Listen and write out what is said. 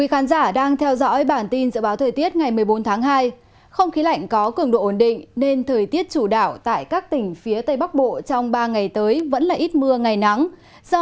hãy đăng ký kênh để nhận thông tin nhất